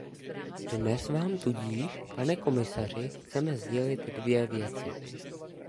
Dnes vám tudíž, pane komisaři, chceme sdělit dvě věci.